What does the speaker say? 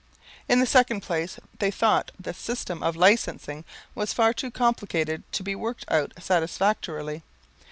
In the second place, they thought the system of licensing was far too complicated to be worked out satisfactorily.